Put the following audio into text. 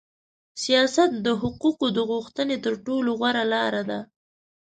سیاست د حقوقو د غوښتنې تر ټولو غوړه لار ده.